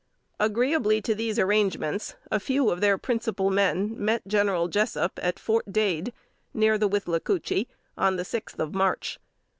Agreeably to these arrangements, a few of their principal men met General Jessup at Fort Dade, near the Withlacoochee, on the sixth of March.